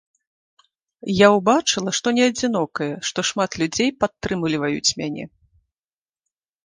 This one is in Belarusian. Я ўбачыла, што не адзінокая, што шмат людзей падтрымліваюць мяне.